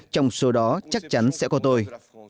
trong số đó chắc chắn sẽ có tôi